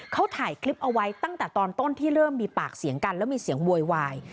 เขาถ่ายคลิปเอาไว้ตั้งแต่ตอนต้นที่เริ่มมีปากเสียงกันแล้วมีเสียงโวยวาย